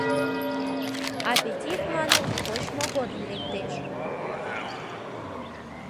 «Аппетит, — маныт, — кочмо годым лектеш».